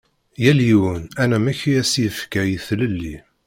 Yal yiwen anamek i as-yefka i tlelli.